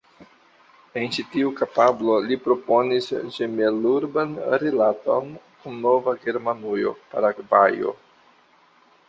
En ĉi tiu kapablo li proponis ĝemel-urban rilaton kun Nova Germanujo, Paragvajo.